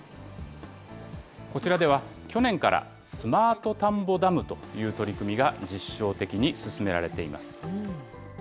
こちらでは去年からスマート田んぼダムという取り組みが実証的に進められています。